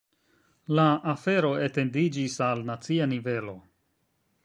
La afero etendiĝis al nacia nivelo.